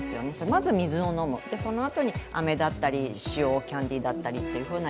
まず水を飲む、そのあとにあめだったり塩キャンディーだったりっていうような